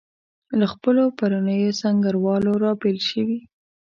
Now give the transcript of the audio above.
له خپلو پرونیو سنګروالو رابېل شوي.